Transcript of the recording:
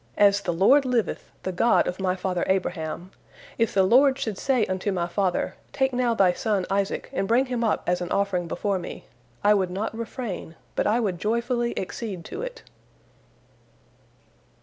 As the Lord liveth, the God of my father Abraham, if the Lord should say unto my father, Take now thy son Isaac and bring him up as an offering before Me, I would not refrain, but I would joyfully accede to it."